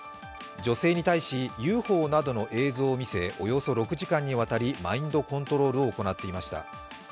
女性に対し、ＵＦＯなどの映像を見せおよそ６時間にわたりマインドコントロールを行っていました。